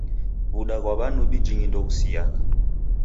W'uda ghwa w'anubi jingi ndoghusiagha.